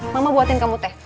mama buatin kamu teh